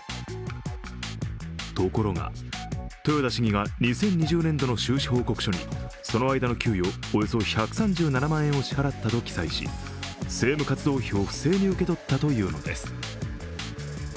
ところが、豊田市議が２０２０年度の収支報告書にその間の給与およそ１３７万円を支払ったと記載し政務活動費を不正に受け取ったというのです。